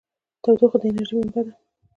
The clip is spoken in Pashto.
تودوخه د انرژۍ منبع ده.